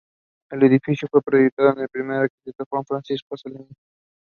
The Final Eight was played in the Abuja Sports Hall in Abuja.